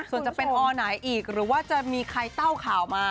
ส่วนจะเป็นอไหนอีกหรือว่าจะมีใครเต้าข่าวมา